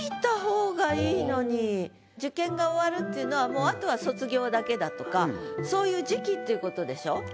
受験が終わるっていうのはもうあとは卒業だけだとかそういう時期っていうことでしょ？